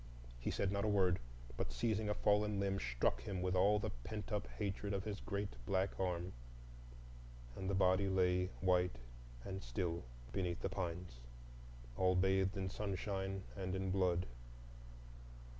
He said not a word, but, seizing a fallen limb, struck him with all the pent up hatred of his great black arm, and the body lay white and still beneath the pines, all bathed in sunshine and in blood.